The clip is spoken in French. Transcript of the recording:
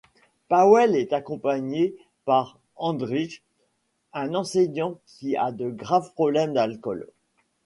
Paweł est accompagné par Andrzej, un enseignant qui a de graves problèmes d'alcool.